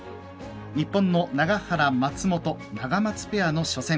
日本の永原、松本ナガマツペアの初戦。